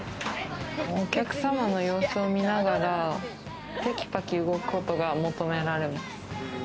お客様の様子を見ながらテキパキ動くことが求められます。